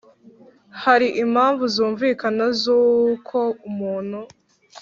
hari impamvu zumvikana z uko umuntu